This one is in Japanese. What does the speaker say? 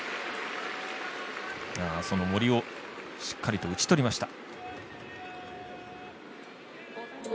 その森をしっかりと打ちとりました。